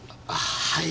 はい。